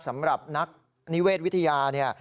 สำหรับนักนิเวศวิทยาเนี่ย